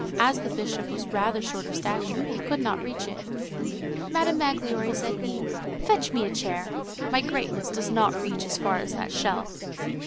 As the bishop was rather short of stature, he could not reach it. "Madame Magloire," said he, "fetch me a chair. My greatness [grandeur] does not reach as far as that shelf."